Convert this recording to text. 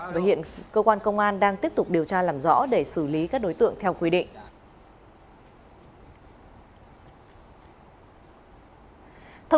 và hiện cơ quan công an đang tiếp tục điều tra làm rõ để xử lý các đối tượng theo quy định